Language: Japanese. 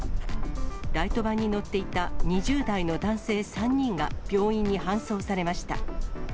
ライトバンに乗っていた２０代の男性３人が病院に搬送されました。